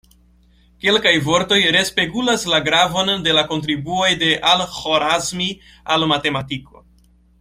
Kelkaj vortoj respegulas la gravon de la kontribuoj de Al-Ĥorazmi al matematiko.